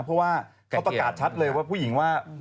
เพราะว่าเขาประกาศชัดเลยว่าผู้หญิงว่า